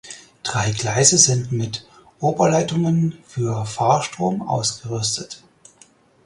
Drei Gleise sind mit Oberleitungen für Fahrstrom ausgerüstet.